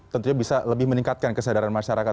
tentunya bisa lebih meningkatkan kesadaran masyarakat